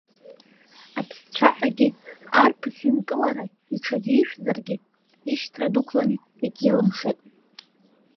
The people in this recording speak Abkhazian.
Аԥсцәаҳагьы, арԥыс инкылара иҽазишәазаргьы, ишьҭра дықәланы егьилымшеит.